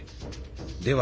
では